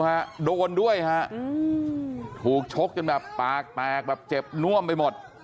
ห้ามโดนด้วยถูกชกแปลกแปลกแปลกแบบเจ็บน่วมไปหมด